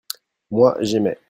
moi, j'aimais.